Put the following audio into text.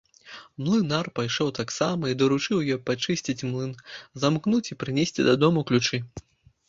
Млынар пайшоў таксама і даручыў ёй падчысціць млын, замкнуць і прынесці дадому ключы.